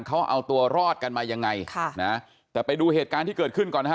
เขาเอาตัวรอดกันมายังไงค่ะนะแต่ไปดูเหตุการณ์ที่เกิดขึ้นก่อนนะฮะ